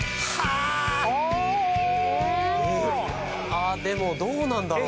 あっでもどうなんだろう？